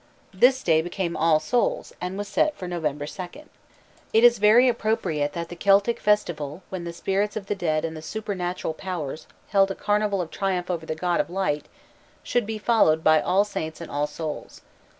_ This day became All Souls', and was set for November 2d. It is very appropriate that the Celtic festival when the spirits of the dead and the supernatural powers held a carnival of triumph over the god of light, should be followed by All Saints' and All Souls'.